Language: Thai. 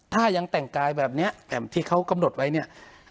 ถ้ายังแต่งกายแบบนี้แต่ที่เขากำหนดไว้เนี่ย